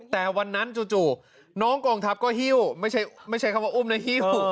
แต่วันนั้นจู่น้องกองทัพก็หิ้วไม่ใช่คำว่าอุ้มนะฮิ้ว